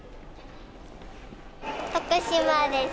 徳島です。